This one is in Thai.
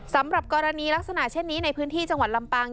สำหรับกรณีลักษณะเช่นนี้ในพื้นที่จังหวัดลำปาง